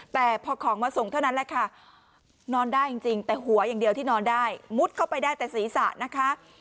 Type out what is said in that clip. แต่พอของมาส่งเท่านั้นแหละค่ะนอนได้จริงแต่หัวอย่างเดียวที่นอนได้มุดเข้าไปได้แต่ศีรษะนะคะ